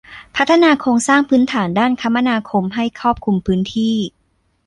พัฒนาโครงสร้างพื้นฐานด้านคมนาคมให้ครอบคลุมพื้นที่